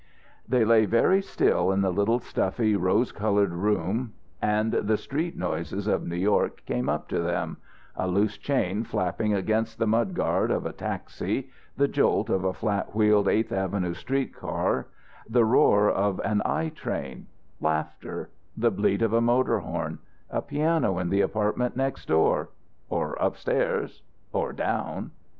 They lay very still in the little stuffy rose coloured room and the street noises of New York came up to them a loose chain flapping against the mud guard of a Taxi; the jolt of a flat wheeled Eighth Avenue street car the roar of an L train; laughter; the bleat of a motor horn; a piano in the apartment next door, or upstairs or down.